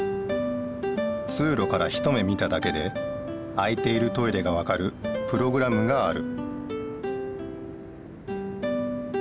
つうろから一目見ただけで空いているトイレがわかるプログラムがある。